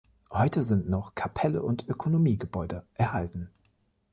Heute sind noch Kapelle und Ökonomiegebäude erhalten.